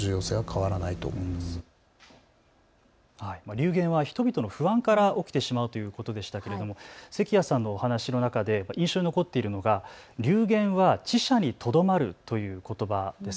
流言は人々の不安から起きてしまうということでしたが関谷さんのお話の中で印象に残っているのが、流言は智者に止まるということばです。